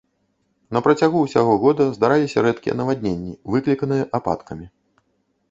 На працягу ўсяго года здараліся рэдкія навадненні, выкліканыя ападкамі.